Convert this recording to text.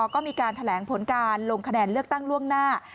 ก็มีการแถลงผลการลงคะแนนเลือกตั้งล่วงหน้า